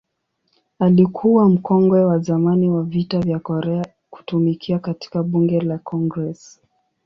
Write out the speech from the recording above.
Alikuwa mkongwe wa zamani wa Vita vya Korea kutumikia katika Bunge la Congress.